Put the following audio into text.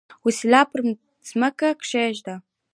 وسلې پر مځکه کښېږدي.